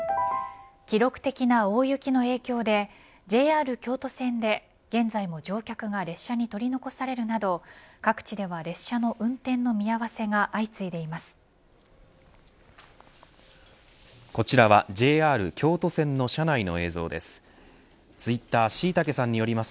記録的な大雪の影響でＪＲ京都線で現在も乗客が列車に取り残されるなど各地では列車の運転の見合わせが相次いでいます。